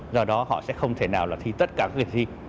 do đó họ sẽ không thể nào là thi tất cả các kỳ thi